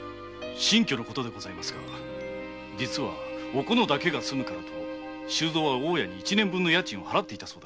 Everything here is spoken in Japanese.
新居のことですが実はおこのだけが住むからと周蔵は大家に一年分の家賃を払っていたそうです。